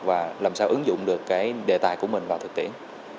và làm sao ứng dụng được cái đề tài của mình vào thực tiễn